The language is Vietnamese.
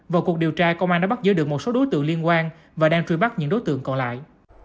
vào cuộc điều tra công an đã bắt giữ được một số đối tượng liên quan và đang truy bắt những đối tượng còn lại